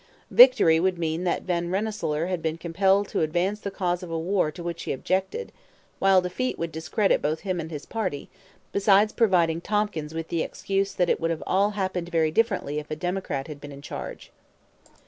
Victory would mean that Van Rensselaer had been compelled to advance the cause of a war to which he objected; while defeat would discredit both him and his party, besides providing Tompkins with the excuse that it would all have happened very differently if a Democrat had been in charge.